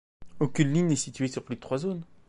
Aucune ligne n'est située sur plus de trois zones.